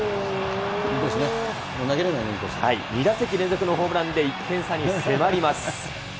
２打席連続のホームランで、１点差に迫ります。